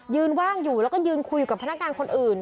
ว่างอยู่แล้วก็ยืนคุยอยู่กับพนักงานคนอื่น